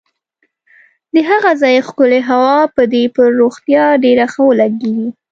د هغه ځای ښکلې هوا به دې پر روغتیا ډېره ښه ولګېږي.